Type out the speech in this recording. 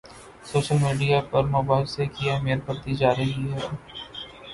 Social media پر مباحثے کی اہمیت بڑھتی جا رہی ہے۔